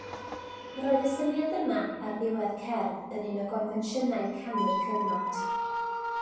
Roedd y syniad yma ar ddiwedd cerdd yn un o gonfensiynau canu'r cyfnod.